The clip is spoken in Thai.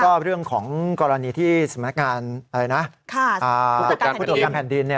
ก็เรื่องของกรณีที่สมนตราการผู้ตกการแผ่นดิน